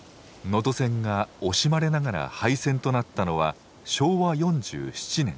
能登線が惜しまれながら廃線となったのは昭和４７年。